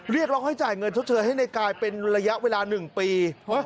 เรียกร้องให้จ่ายเงินชดเชยให้ในกายเป็นระยะเวลา๑ปี